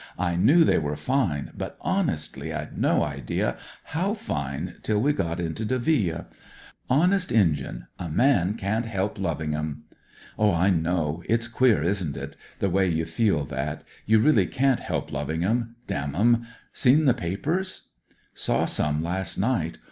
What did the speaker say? I knew they were fine, but honestly I'd no idea how fine till we got into Delville. Honest Injim, a man ^;an't help loving 'em." " I know. It's queer, isn't it ? the way you feel that. You really can't help loving 'em — dammem I Seen the papers ?"" Saw some last night.